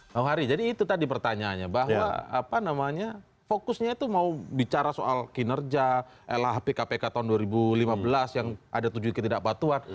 bang hari jadi itu tadi pertanyaannya bahwa fokusnya itu mau bicara soal kinerja lhp kpk tahun dua ribu lima belas yang ada tujuh ketidakpatuan